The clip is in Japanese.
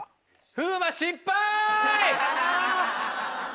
風磨失敗！